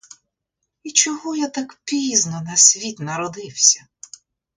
І чого я так пізно на світ народився?